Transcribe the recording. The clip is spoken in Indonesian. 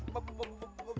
mbak mbak mbak